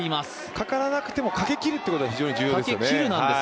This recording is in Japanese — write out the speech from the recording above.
かからなくても、かけきるというのが非常に重要ですよね。